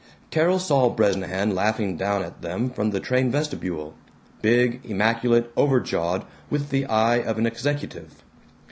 Carol saw Bresnahan laughing down at them from the train vestibule big, immaculate, overjawed, with the eye of an executive.